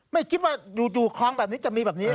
ไม่คิดว่าอยู่คลองแบบนี้จะมีแบบนี้